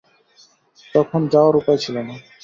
তখন যাওয়ার উপায় ছিল না।